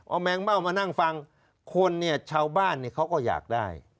เอาแมงเม่ามานั่งฟังคนเนี่ยชาวบ้านเนี่ยเขาก็อยากได้